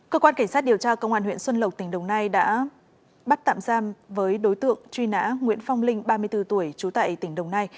cơ quan cảnh sát điều tra công an huyện xuân lộc tỉnh đồng nai đã bắt tạm giam với đối tượng truy nã nguyễn phong linh ba mươi bốn tuổi trú tại tỉnh đồng nai